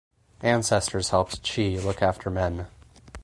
Ancestors helped chi look after men.